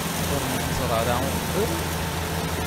Ur nemmẓer ara uqbel?